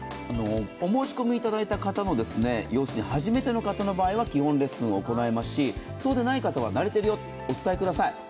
お申し込みいただいて、初めての方の場合は基本レッスンを行いますし、そうでない方は慣れているよとお伝えください。